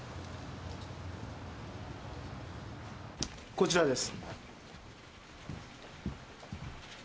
こちらです。